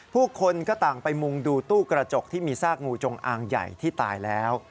ผู้คนก็ต่างไปมุงดูตู้กระจกที่มีซากงูจงอางใหญ่ที่ตายแล้ว